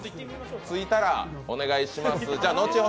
着いたらお願いします。